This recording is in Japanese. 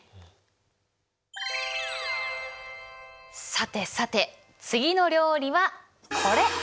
さてさて次の料理はこれ！